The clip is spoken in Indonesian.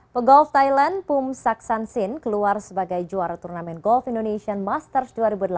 pegolf thailand pum saksansin keluar sebagai juara turnamen golf indonesian masters dua ribu delapan belas